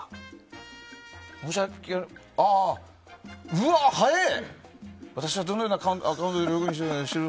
うわあ、早え！